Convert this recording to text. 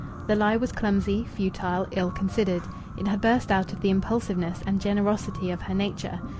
The lie was clumsy, futile, ill considered. It had burst out of the impulsiveness and generosity of her nature.